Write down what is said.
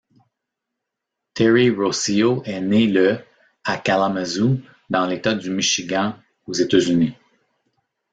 Terry Rossio est né le à Kalamazoo, dans l'État du Michigan, aux États-Unis.